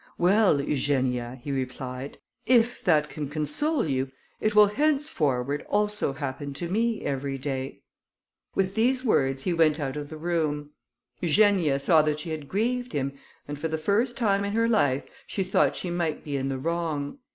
"Well, Eugenia," he replied, "if that can console you, it will henceforward also happen to me every day." With these words, he went out of the room. Eugenia saw that she had grieved him, and, for the first time in her life, she thought she might be in the wrong.